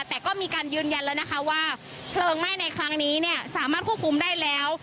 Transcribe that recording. แต่ก็มีการยืนยันแล้วนะคะว่าเพลิงไหม้ในครั้งนี้เนี่ยสามารถควบคุมได้แล้ว